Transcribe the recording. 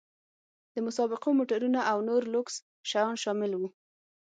د مسابقو موټرونه او نور لوکس شیان شامل وو.